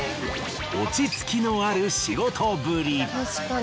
落ち着きのある仕事ぶり。